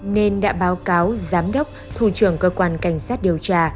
nên đã báo cáo giám đốc thủ trưởng cơ quan cảnh sát điều tra